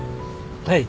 はい。